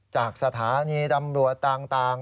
จากสถานีตำรวจต่าง